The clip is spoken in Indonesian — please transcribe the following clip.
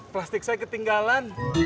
plastik saya ketinggalan